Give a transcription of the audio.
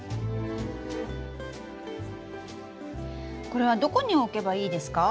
これはどこに置けばいいですか？